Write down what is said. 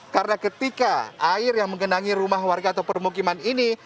karena ketika air yang mengenangi rumah warga atau permukiman ini